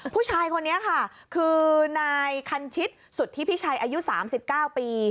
ผู้ชายคนนี้ค่ะคือนายคันชิตสุทธิพิชัยอายุ๓๙ปี